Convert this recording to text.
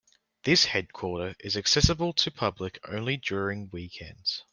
This headquarter is accessible to public only during weekends.